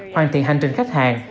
hoàn thiện hành trình khách hàng